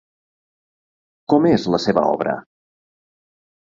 Com és la seva obra?